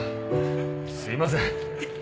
すいません。